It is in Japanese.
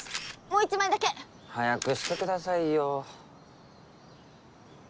もう一枚だけ早くしてくださいよ